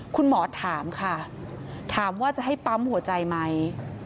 คุณหมอถามค่ะถามว่าจะให้ปั๊มหัวใจไหม